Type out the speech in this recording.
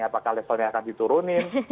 apakah levelnya akan diturunin